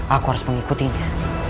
aku harus mengikutinya